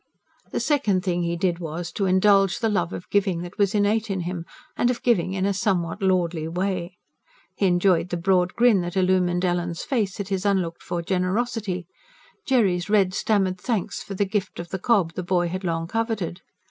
The second thing he did was: to indulge the love of giving that was innate in him; and of giving in a somewhat lordly way. He enjoyed the broad grin that illumined Ellen's face at his unlooked for generosity; Jerry's red stammered thanks for the gift of the cob the boy had long coveted.